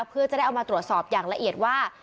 เพื่อจะได้เอามาตรวจสอบอย่างละเอียดว่า